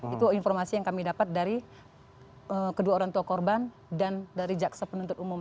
itu informasi yang kami dapat dari kedua orang tua korban dan dari jaksa penuntut umum